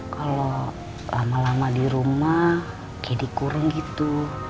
kalau lama lama di rumah kayak dikurung gitu